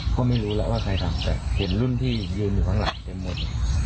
ก็ไม่รู้แล้วว่าใครทำแต่เห็นรุ่นพี่ยืนอยู่ข้างหลังเต็มหมด